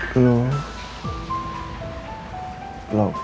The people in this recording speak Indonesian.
hai ya ada buka